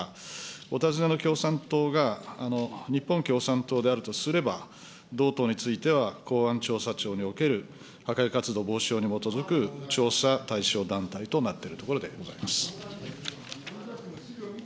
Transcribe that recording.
お尋ねの共産党が、日本共産党であるとすれば、同党については公安調査庁における破壊活動防止法に基づく調査対象団体となっているところでございます。